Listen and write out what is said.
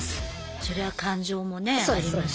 そりゃあ感情もねありますし。